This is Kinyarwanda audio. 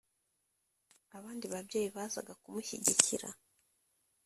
abandi babyeyi bazaga kumushyigikira